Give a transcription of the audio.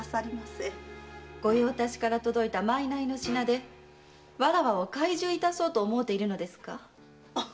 御用達から届いた賂の品でわらわを懐柔いたそうと思うているのですか。